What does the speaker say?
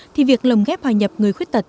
thì việc lồng ghép hòa nhập người khuyết tật